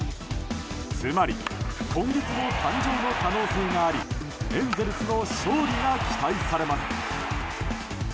つまり今月も誕生の可能性がありエンゼルスの勝利が期待されます。